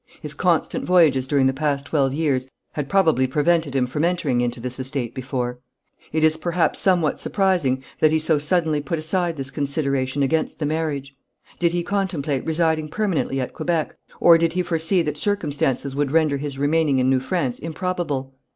His constant voyages during the past twelve years had probably prevented him from entering into this estate before. It is, perhaps, somewhat surprising that he so suddenly put aside this consideration against the marriage. Did he contemplate residing permanently at Quebec, or did he foresee that circumstances would render his remaining in New France improbable?